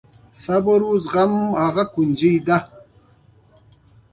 صبر او زغم هغه کونجي ده.